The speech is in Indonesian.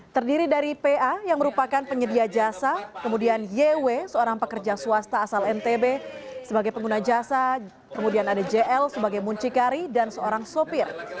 terdiri dari pa yang merupakan penyedia jasa kemudian yw seorang pekerja swasta asal ntb sebagai pengguna jasa kemudian ada jl sebagai muncikari dan seorang sopir